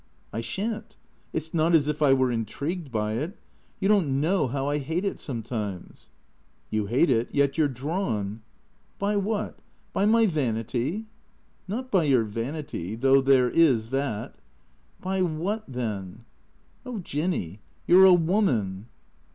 " I shan 't. It 's not as if I were intrigued by it. You don't know how I hate it sometimes." " You hate it, yet you 're drawn." " By what ? By my vanity ?"" Not by your vanity, though there is that." " By what, then ?"" Oh, Jinny, you 're a woman."